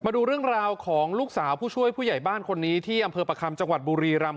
ดูเรื่องราวของลูกสาวผู้ช่วยผู้ใหญ่บ้านคนนี้ที่อำเภอประคัมจังหวัดบุรีรำ